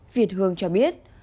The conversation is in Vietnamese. việt hương cho biết